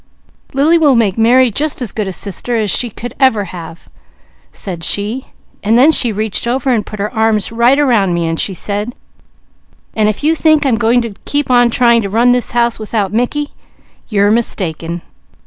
'Lily will make Mary just as good a sister as she could ever have,' said she, and then she reached over and put her arms right around me and she said, 'And if you think I'm going to keep on trying to run this house without Mickey, you're mistaken.'